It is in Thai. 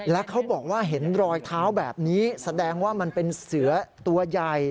แล้วเขาบอกว่าเห็นรอยเท้าแบบนี้แสดงว่ามันเป็นเสือตัวใหญ่